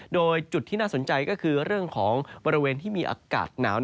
โดยจุดที่น่าสนใจก็คือเรื่องของบริเวณที่มีอากาศหนาว